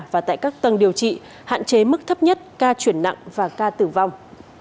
và tại các tầng điều trị hạn chế mức thấp nhất ca chuyển nặng và ca tử vong